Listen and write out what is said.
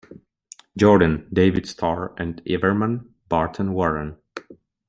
Jordan, David Starr and Evermann, Barton Warren.